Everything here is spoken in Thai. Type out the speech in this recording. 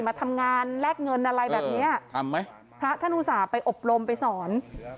มาทำงานแลกเงินอะไรแบบเนี้ยทำไหมพระท่านอุตส่าห์ไปอบรมไปสอน